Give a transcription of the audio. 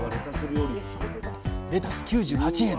レタス９８円！